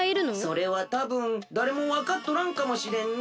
それはたぶんだれもわかっとらんかもしれんね。